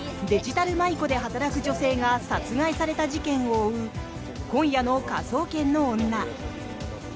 デジタル舞子で働く女性が殺害された事件を追う今夜の「科捜研の女」。